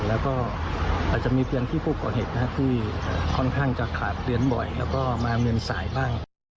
แล้วก็อาจจะมีเตือนที่ผู้ก่อเหตุที่ค่อนข้างจะขาดเตือนบ่อยแล้วก็มาเงินสายบ้าง